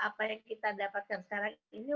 apa yang kita dapatkan sekarang ini